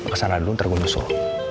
ke sana dulu ntar gue nusul